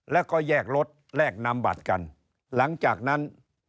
แล้วก็แยกรถแลกนำบัตรกันหลังจากนั้น